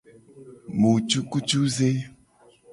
Mu cukucuze.